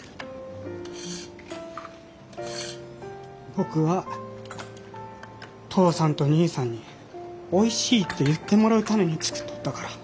僕は父さんと兄さんにおいしいって言ってもらうために作っとったから。